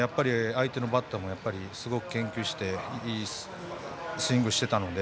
相手のバッターもすごく研究していいスイングしていたので。